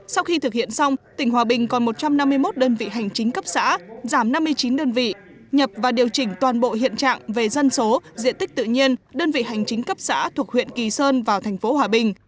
sau khi thực hiện xong tỉnh hòa bình còn một trăm năm mươi một đơn vị hành chính cấp xã giảm năm mươi chín đơn vị nhập và điều chỉnh toàn bộ hiện trạng về dân số diện tích tự nhiên đơn vị hành chính cấp xã thuộc huyện kỳ sơn vào thành phố hòa bình